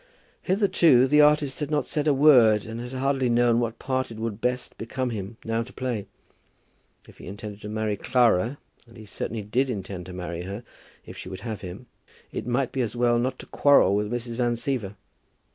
Hitherto the artist had not said a word, and had hardly known what part it would best become him now to play. If he intended to marry Clara, and he certainly did intend to marry her if she would have him, it might be as well not to quarrel with Mrs. Van Siever.